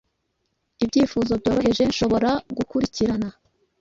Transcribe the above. Ibyifuzo byoroheje nshobora gukurikirana,